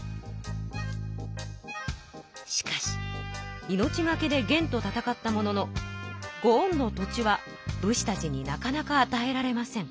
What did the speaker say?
しかし命がけで元と戦ったもののご恩の土地は武士たちになかなかあたえられません。